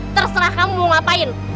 terserah kamu mau ngapain